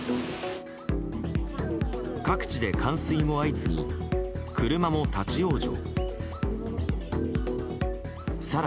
各地で冠水も相次ぎ車も立ち往生。